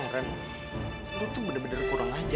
ren lu tuh bener bener kurang ajar ya